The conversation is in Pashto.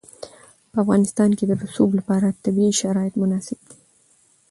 په افغانستان کې د رسوب لپاره طبیعي شرایط مناسب دي.